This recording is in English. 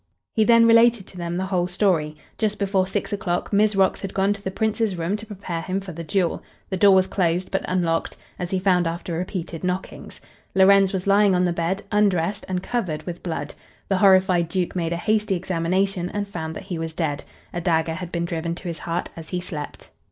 He then related to them the whole story. Just before six o'clock Mizrox had gone to the Prince's room to prepare him for the duel. The door was closed but unlocked, as he found after repeated knockings. Lorenz was lying on the bed, undressed and covered with blood. The horrified duke made a hasty examination and found that he was dead. A dagger had been driven to his heart as he slept.